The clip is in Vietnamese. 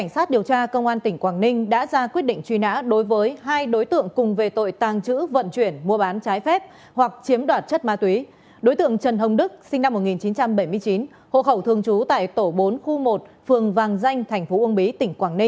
hãy đăng ký kênh để nhận thông tin nhất